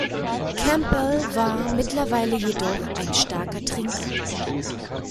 Campbell war mittlerweile jedoch ein starker Trinker.